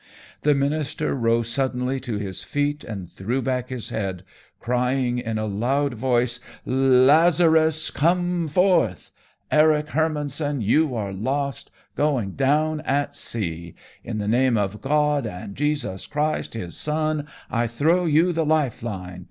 The minister rose suddenly to his feet and threw back his head, crying in a loud voice: "Lazarus, come forth! Eric Hermannson, you are lost, going down at sea. In the name of God, and Jesus Christ his Son, I throw you the life line.